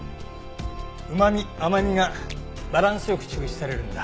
うまみ甘みがバランス良く抽出されるんだ。